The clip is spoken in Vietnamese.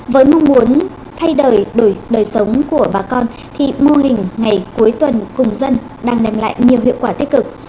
với mong muốn thay đổi đổi sống của bà con thì mô hình ngày cuối tuần cùng dân đang đem lại nhiều hiệu quả tích cực